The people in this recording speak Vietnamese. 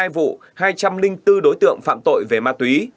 một trăm năm mươi hai vụ hai trăm linh bốn đối tượng phạm tội về ma túy